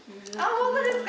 本当ですか？